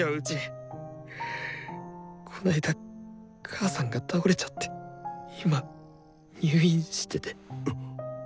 この間母さんが倒れちゃって今入院してて。